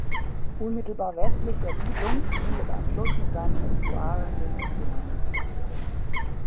Unmittelbar westlich der Siedlung mündet ein Fluss mit seinem Ästuar in den Ozean.